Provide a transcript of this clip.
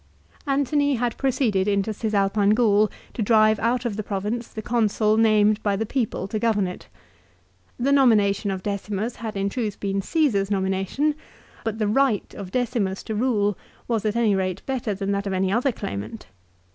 Antony had proceeded into Cisalpine Gaul to drive out of Bc 43 the province the Consul named by the people to setat. 64. g 0vern j^ The nomination of Decimus had in truth been Caesar's nomination ; but the right of Decimus to rule was at any rate better than that of any other claimant.